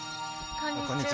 こんにちは。